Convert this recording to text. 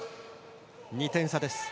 ２点差です。